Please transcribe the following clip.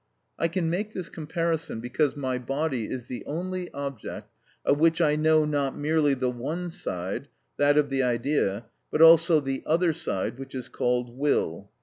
I can make this comparison because my body is the only object of which I know not merely the one side, that of the idea, but also the other side which is called will.